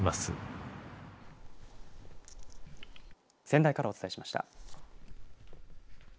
仙台からお伝えしました。